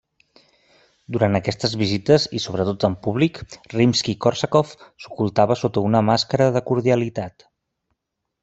Durant aquestes visites i sobretot en públic, Rimski-Kórsakov s'ocultava sota una màscara de cordialitat.